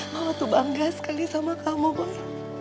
mama tuh bangga sekali sama kamu bos